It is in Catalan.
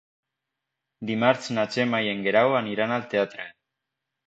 Dimarts na Gemma i en Guerau aniran al teatre.